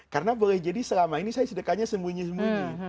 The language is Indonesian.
karena boleh jadi selama ini saya sedekahnya sembunyi sembunyi